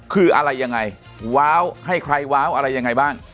คืออะไรยังไงว้าวให้ใครว้าวอะไรยังไงบ้าง